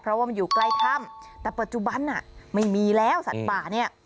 เพราะว่ามันอยู่ใกล้ถ้ำแต่ปัจจุบันน่ะไม่มีแล้วสัตว์ป่าเนี่ย